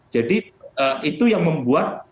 jadi itu yang membuat